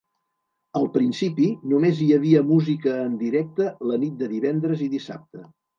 Al principi, només hi havia música en directe la nit de divendres i dissabte.